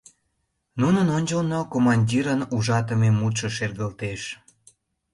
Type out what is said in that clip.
Нунын ончылно командирын ужатыме мутшо шергылтеш: